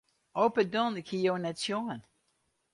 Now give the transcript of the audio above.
O pardon, ik hie jo net sjoen.